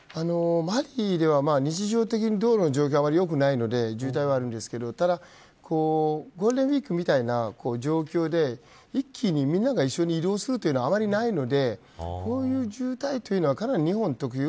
マリでは日常的に道路の状況が悪いので、渋滞はあるんですけどゴールデンウイークみたいな状況で、一気にみんなが一緒に移動するというのはあんまりないのでこういう渋滞というのはかなり日本特有。